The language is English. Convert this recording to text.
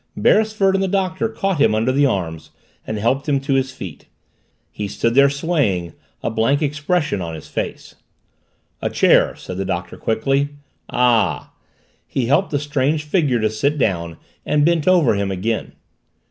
Beresford and the Doctor caught him under the arms and helped him to his feet. He stood there swaying, a blank expression on his face. "A chair!" said the Doctor quickly. "Ah " He helped the strange figure to sit down and bent over him again.